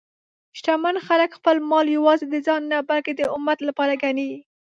شتمن خلک خپل مال یوازې د ځان نه، بلکې د امت لپاره ګڼي.